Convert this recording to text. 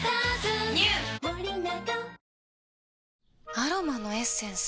アロマのエッセンス？